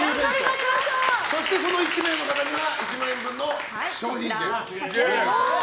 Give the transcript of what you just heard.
そして、その１名の方には１万円分の商品券です。